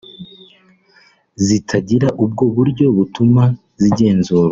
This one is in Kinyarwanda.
zitagira ubwo buryo butuma zigenzurwa